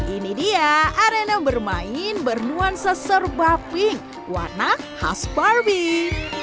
ini dia arena bermain bernuansa serba pink warna khas barbie